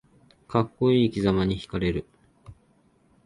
かっこいい生きざまにひかれる